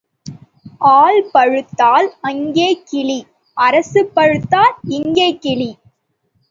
All பழுத்தால் அங்கே கிளி அரசு பழுத்தால் இங்கே கிளி.